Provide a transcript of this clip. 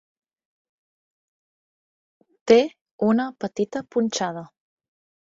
Té una petita punxada.